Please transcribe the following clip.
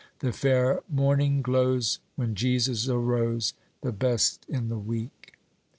The fair morning glows When Jesus arose The best in the week."